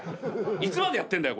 いつまでやってんだよ